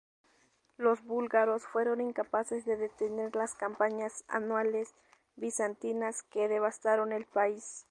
Los búlgaros fueron incapaces de detener las campañas anuales bizantinas que devastaron el país.